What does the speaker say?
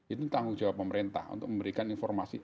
itu tanggung jawab pemerintah untuk memberikan informasi